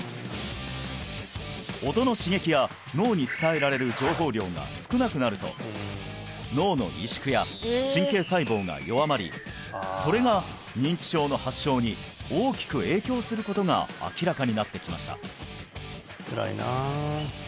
音の刺激や脳に伝えられる情報量が少なくなると脳の萎縮や神経細胞が弱まりそれが認知症の発症に大きく影響することが明らかになってきました